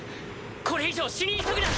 これ以上死に急ぐな。